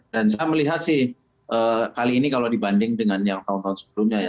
dan saya melihat sih kali ini kalau dibanding dengan tahun tahun sebelumnya